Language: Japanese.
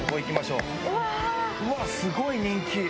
うわっすごい人気！